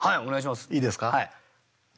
いいですか？